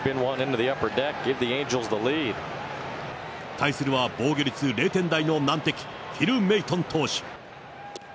対するは防御率０点台の難敵、フィル・メイトン投手。